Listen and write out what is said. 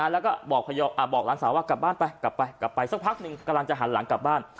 แล้วก็บอกหลานสาวว่ากลับบ้านไปกลับไปกลับไปสักพักหนึ่งกำลังจะหันหลังกลับบ้าน